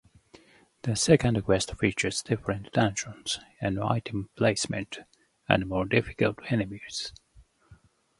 The Second Quest features different dungeons and item placement, and more difficult enemies.